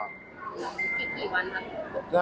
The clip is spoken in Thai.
ติดกี่วันครับ